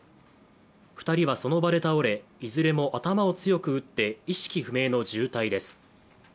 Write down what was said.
２人はその場で倒れいずれも頭を強く打って意識不明の重体です。